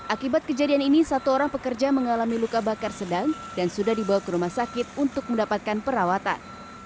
akibat kejadian ini satu orang pekerja mengalami luka bakar sedang dan sudah dibawa ke rumah sakit untuk mendapatkan perawatan